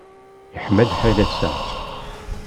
Yeḥma lḥal ass-a.